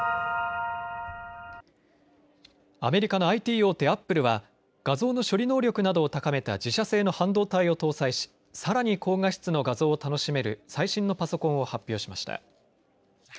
アメリカのＩＴ大手、アップルは画像の処理能力などを高めた自社製の半導体を搭載しさらに高画質の画像を楽しめる最新のパソコンを発表しました。